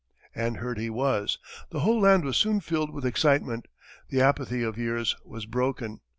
And heard he was. The whole land was soon filled with excitement; the apathy of years was broken.